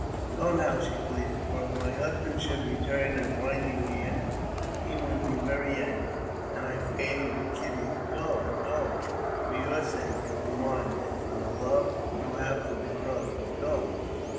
'* Go now," she pleaded; " for if my husband should return^ and find you here, he would be very angry, and I fear he would kill you. Go ! go ! for your own sake, and for mine,, and for the love you have for the Crows, go